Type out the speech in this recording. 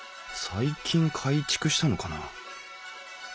最近改築したのかなあ。